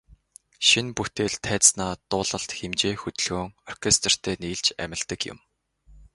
Шинэ бүтээл тайзнаа дуулалт, хэмжээ, хөдөлгөөн, оркестертэй нийлж амилдаг юм.